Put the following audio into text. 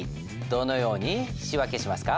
どのように仕訳しますか？